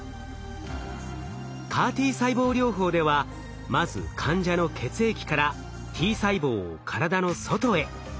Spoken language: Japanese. ＣＡＲ−Ｔ細胞療法ではまず患者の血液からＴ細胞を体の外へ。